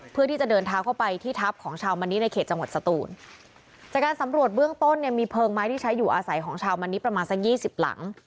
เพื่อที่จะเดินเท้าเข้าไปที่ทัพของชาวมณิในเขตจังหวัดสตูนจากการสำรวจเบื้องต้นเนี่ยมีเพลิงไม้ที่ใช้อยู่อาศัยของชาวมันนิประมาณสักยี่สิบหลัง